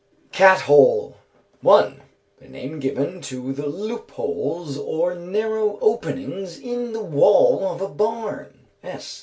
_). Cat hole. 1. The name given to the loop holes or narrow openings in the wall of a barn (_S.